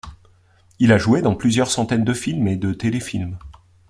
Il a joué dans plusieurs centaines de films et de téléfilms.